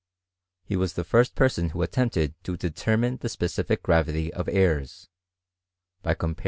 He was the first person who attempted to de termine the specific gravity of airs, by comparing their weight